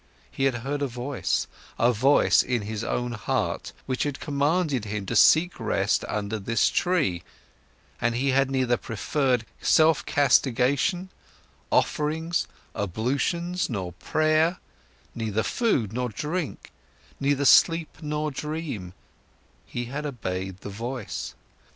He had heard a voice, a voice in his own heart, which had commanded him to seek rest under this tree, and he had neither preferred self castigation, offerings, ablutions, nor prayer, neither food nor drink, neither sleep nor dream, he had obeyed the voice.